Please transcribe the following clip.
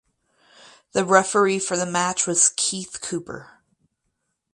The referee for the match was Keith Cooper.